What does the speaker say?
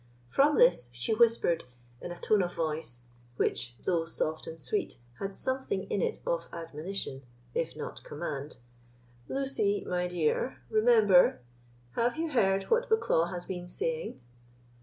From this she whispered, in a tone of voice which, though soft and sweet, had something in it of admonition, if not command: "Lucy, my dear, remember—have you heard what Bucklaw has been saying?"